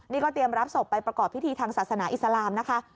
นี่ก็เตรียมรับศพไปประกอบพิธีทางศาสนาอิสลามนะคะ